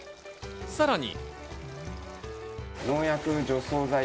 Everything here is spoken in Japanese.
さらに。